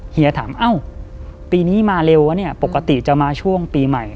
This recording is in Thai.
เฮียถามเอ้าปีนี้มาเร็ววะเนี่ยปกติจะมาช่วงปีใหม่